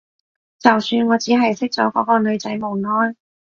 就算我只係識咗嗰個女仔冇耐